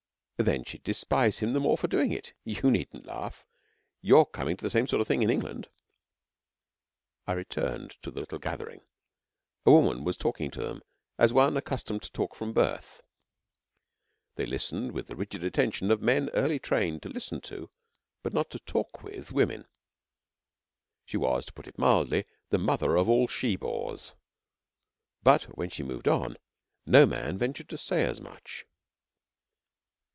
'Then she'd despise him the more for doing it. You needn't laugh. 'You're coming to the same sort of thing in England.' I returned to the little gathering. A woman was talking to them as one accustomed to talk from birth. They listened with the rigid attention of men early trained to listen to, but not to talk with, women. She was, to put it mildly, the mother of all she bores, but when she moved on, no man ventured to say as much.